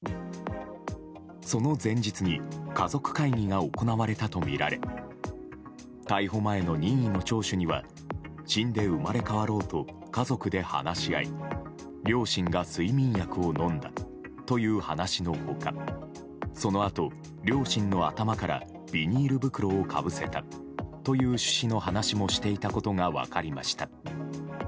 その前日に家族会議が行われたとみられ逮捕前の任意の聴取には死んで生まれ変わろうと家族で話し合い両親が睡眠薬を飲んだという話の他そのあと両親の頭からビニール袋をかぶせたという趣旨の話もしていたことが分かりました。